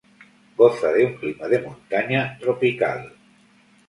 Goza de un clima de montaña tropical.